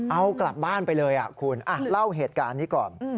เอากลับบ้านไปเลยคุณเล่าเหตุการณ์นี้ก่อน